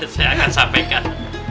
saya akan sampaikan